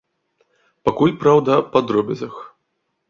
Пакуль, праўда, па дробязях.